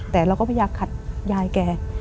แต่เราก็พยายามขัดยายแก